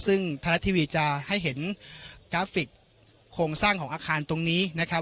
ซึ่งทางทาลัททีวีจะให้เห็นโครงสร้างของอาคารตรงนี้นะครับ